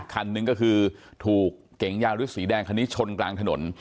คันหนึ่งก็คือถูกเก๋งยาฤทธสีแดงคันนี้ชนกลางถนน